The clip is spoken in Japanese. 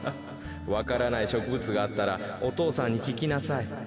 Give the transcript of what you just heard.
わからないしょくぶつがあったらお父さんにききなさい。